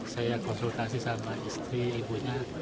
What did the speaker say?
saya konsultasi sama istri ibunya